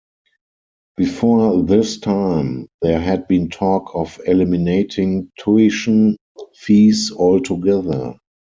Before this time, there had been talk of eliminating tuition fees altogether.